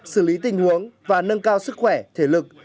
xử lý tình huống và nâng cao sức khỏe thể lực